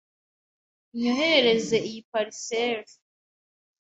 Unyoherereza iyi parcelle?